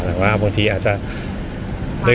ภาษาสนิทยาลัยสุดท้าย